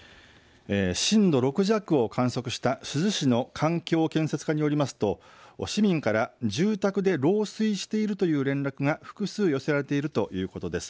震度６弱を観測した珠洲市の環境建設課によりますと市民から住宅で漏水しているという連絡が複数、寄せられているということです。